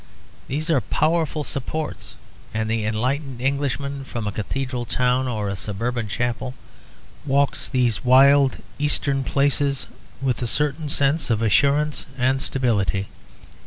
These are powerful supports; and the enlightened Englishman, from a cathedral town or a suburban chapel, walks these wild Eastern places with a certain sense of assurance and stability.